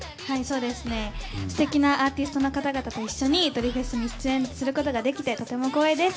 素敵なアーティストの方々と共に「ドリフェス」に出演することができてとても光栄です。